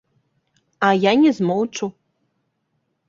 А я не змоўчу.